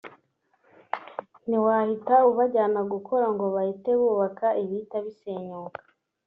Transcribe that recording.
ntiwahita ubajyana gukora ngo bahite bubaka ibihita bisenyuka